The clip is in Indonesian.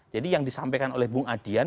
jadi yang disampaikan oleh bung adian